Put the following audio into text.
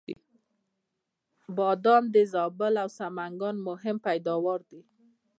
بادام د زابل او سمنګان مهم پیداوار دی